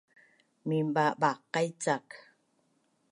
Minbabaqaic ak